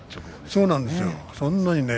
そうなんですよ。